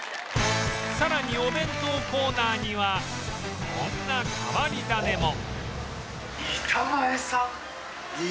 さらにお弁当コーナーにはこんな変わり種も